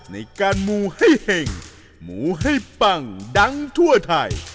ในการมูให้เห็งหมูให้ปังดังทั่วไทย